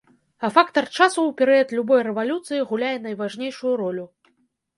А фактар часу ў перыяд любой рэвалюцыі гуляе найважнейшую ролю.